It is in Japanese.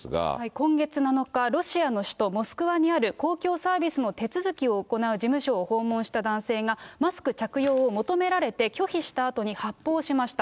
今月７日、ロシアの首都、モスクワにある公共サービスの手続きを行う事務所を訪問した男性がマスク着用を求められて拒否したあとに発砲しました。